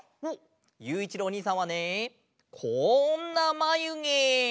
ゆういちろうおにいさんはねこんなまゆげ！